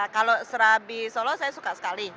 kalau serabi solo saya suka sekali